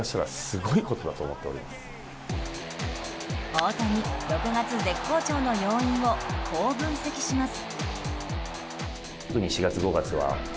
大谷、６月絶好調の要因をこう分析します。